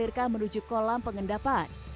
air baku akan menuju kolam pengendapan